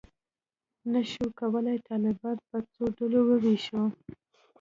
نه شو کولای طالبان پر څو ډلو وویشو.